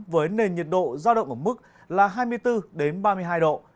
với nền nhiệt độ giao động ở mức là hai mươi bốn ba mươi hai độ